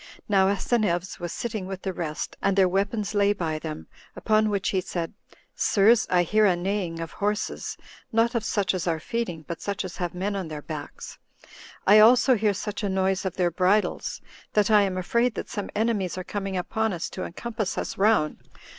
Now Asineus was sitting with the rest, and their weapons lay by them; upon which he said, "Sirs, I hear a neighing of horses; not of such as are feeding, but such as have men on their backs; I also hear such a noise of their bridles, that I am afraid that some enemies are coming upon us to encompass us round.